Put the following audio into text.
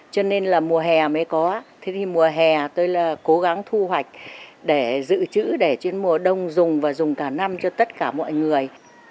cho nên là mùa hè mới có thế thì mùa hè tôi là cố gắng thu hoạch để dự trữ để trên mùa đông dùng và dùng cả năm cho tất cả mọi người